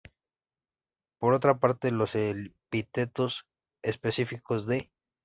Por otra parte, los epítetos específicos de